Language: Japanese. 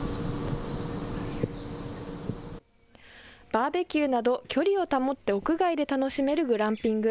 バーベキューなど距離を保って屋外で楽しめるグランピング。